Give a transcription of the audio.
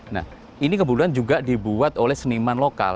nah ini kebetulan juga dibuat oleh seniman lokal